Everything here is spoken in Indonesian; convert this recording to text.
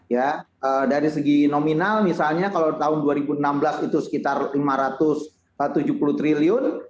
ya dari segi nominal misalnya kalau tahun dua ribu enam belas itu sekitar rp lima ratus tujuh puluh triliun